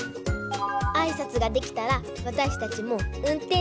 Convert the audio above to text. あいさつができたらわたしたちもうんてんしゅ